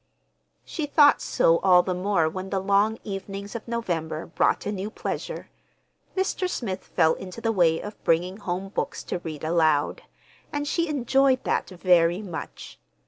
She thought so all the more when the long evenings of November brought a new pleasure; Mr. Smith fell into the way of bringing home books to read aloud; and she enjoyed that very much.